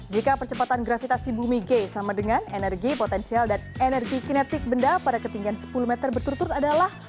jika percepatan gravitasi bumi g sama dengan energi potensial dan energi kinetik benda pada ketinggian sepuluh meter berturut turut adalah